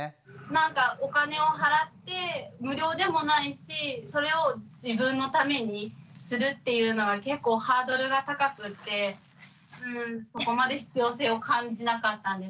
なんかお金を払って無料でもないしそれを自分のためにするっていうのは結構ハードルが高くってそこまで必要性を感じなかったんですよね。